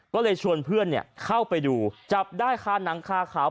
ก็เลยชวนเพื่อนเข้าไปดูจับได้คาหนังคาขาว